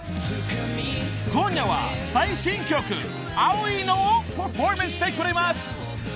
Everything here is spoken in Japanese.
［今夜は最新曲『青いの。』をパフォーマンスしてくれます］